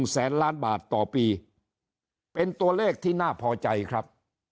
แสนล้านบาทต่อปีเป็นตัวเลขที่น่าพอใจครับ